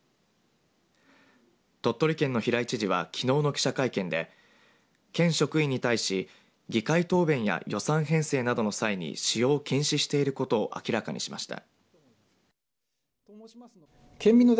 鳥取県の平井知事はきのうの記者会見で県職員に対し議会答弁や予算編成などの際に使用を禁止していることを明らかにしました。